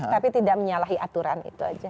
tapi tidak menyalahi aturan itu aja